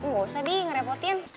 gak usah di ngerepotin